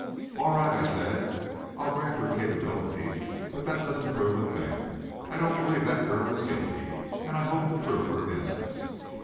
"All right," I said, "I'll grant her capability, but that doesn't prove a thing. I don't believe that girl is guilty, and I hope to prove her innocence."